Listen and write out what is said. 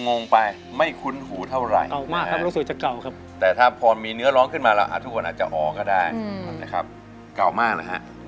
งงไปไม่คุ้นหูเท่าไหร่นะครับแต่ถ้าพอมีเนื้อร้องขึ้นมาแล้วทุกคนอาจจะออกก็ได้นะครับเก่ามากนะฮะ